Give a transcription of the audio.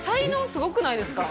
すごくないですか？